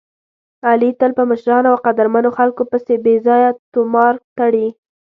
علي تل په مشرانو او قدرمنو خلکو پسې بې ځایه طومار تړي.